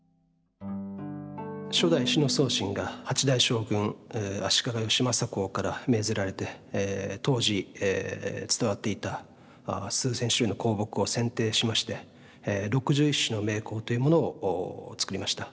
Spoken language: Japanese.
初代志野宗信が８代将軍足利義政公から命ぜられて当時伝わっていた数千種類の香木を選定しまして６１種の名香というものを作りました。